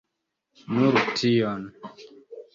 Nur tion.